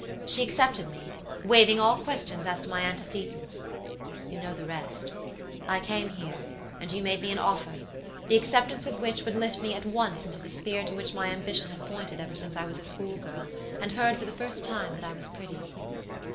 She accepted me, waiving all questions as to my antecedents. You know the rest. I came here, and you made me an offer, the acceptance of which would lift me at once into the sphere to which my ambition had pointed ever since I was a school girl, and heard for the first time that I was pretty.